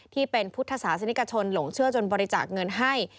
ที่เป็นพุทธศาสนิกชนหลงเชื่อจนบริจาคเงินให้